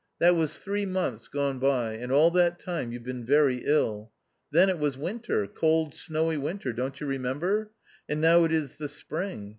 That was three months gone by, and all that time you've been very ill. Then it was winter — cold, snowy winter. Don't you remember ? And now it is the spring.